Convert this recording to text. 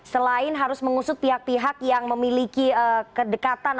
selain harus mengusut pihak pihak yang memiliki kedekatan